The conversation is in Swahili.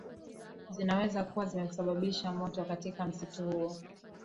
zinaweza kuwa zimesabisha moto katika msitu huo